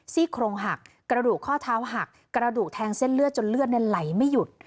ซี่โครงหักกระดูกข้อเท้าหักกระดูกแทงเส้นเลือดจนเลือดไหลไม่หยุด